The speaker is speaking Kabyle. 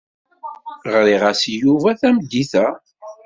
Ɣriɣ-as i Yuba tameddit-a.